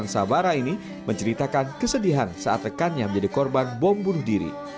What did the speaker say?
aibtu tuhan sabara ini menceritakan kesedihan saat tekannya menjadi korban bom bunuh diri